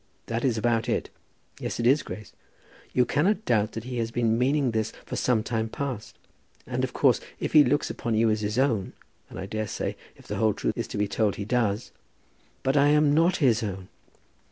That is about it. Yes, it is, Grace. You cannot doubt that he has been meaning this for some time past; and of course, if he looks upon you as his own, and I daresay, if the whole truth is to be told, he does " "But I am not his own."